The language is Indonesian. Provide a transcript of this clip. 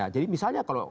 jadi misalnya kalau